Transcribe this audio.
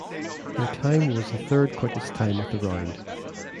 Her time was the third quickest time of the round.